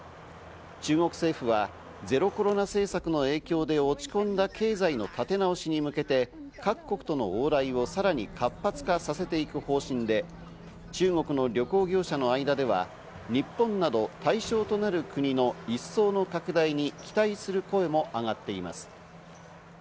中国政府はゼロコロナ政策の影響で落ち込んだ経済の立て直しに向けて、各国との往来をさらに活発化させていく方針で、中国の旅行業者の間では日本など、対象となる国の一層の拡大に期待する声も上がっています。